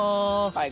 はい。